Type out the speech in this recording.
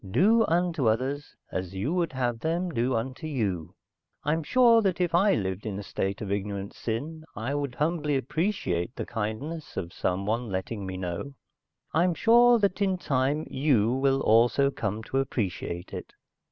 Do unto others as you would have them do unto you. I'm sure that if I lived in a state of ignorant sin, I would humbly appreciate the kindness of someone letting me know. I'm sure that, in time, you will also come to appreciate it."